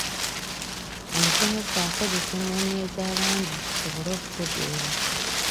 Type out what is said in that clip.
Omusomesa akozesa ennoni eza langi tusobole okutegeera.